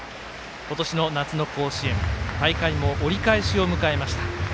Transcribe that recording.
今年の夏の甲子園大会も折り返しを迎えました。